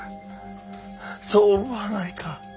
そう思わないか？